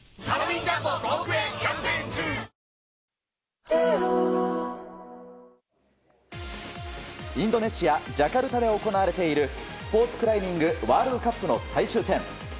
インドネシア・ジャカルタで行われているスポーツクライミングワールドカップの最終戦。